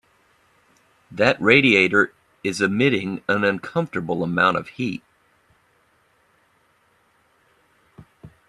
That radiator is emitting an uncomfortable amount of heat.